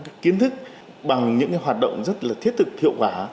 các kiến thức bằng những hoạt động rất là thiết thực hiệu quả